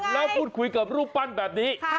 แล้วพูดคุยกับรูปปั้นแบบนี้